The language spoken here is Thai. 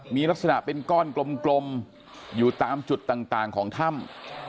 มีลักษณะเป็นก้อนกลมอยู่ตามจุดต่างของถ้ำ